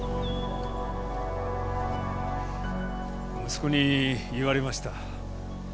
息子に言われました。